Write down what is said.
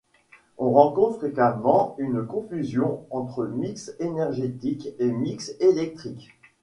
On rencontre fréquemment une confusion entre mix énergétique et mix électrique.